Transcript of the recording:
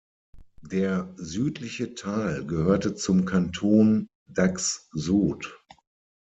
Der südliche Teil gehörte zum Kanton Dax-Sud.